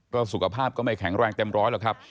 สุขภาพก็ไม่แข็งแรงเต็มร้อยหรอกครับ